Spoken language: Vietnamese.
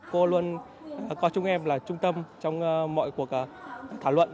cô luôn coi chúng em là trung tâm trong mọi cuộc thảo luận